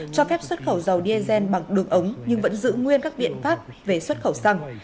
cho phép xuất khẩu dầu diesel bằng đường ống nhưng vẫn giữ nguyên các biện pháp về xuất khẩu xăng